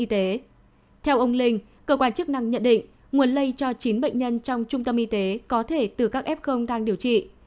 theo ông linh cơ quan chức năng nhận định nguồn lây cho chín bệnh nhân trong trung tâm y tế có thể từ các f đang điều trị